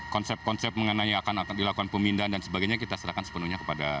konsep konsep mengenai akan dilakukan pemindahan dan sebagainya kita serahkan sepenuhnya kepada